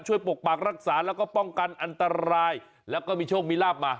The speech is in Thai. ปกปักรักษาแล้วก็ป้องกันอันตรายแล้วก็มีโชคมีลาบมา